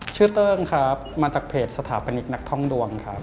เติ้งครับมาจากเพจสถาปนิกนักท่องดวงครับ